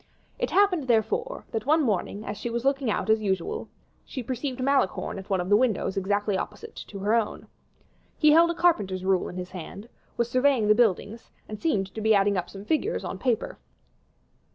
It happened, therefore, that one morning, as she was looking out as usual, she perceived Malicorne at one of the windows exactly opposite to her own. He held a carpenter's rule in his hand, was surveying the buildings, and seemed to be adding up some figures on paper.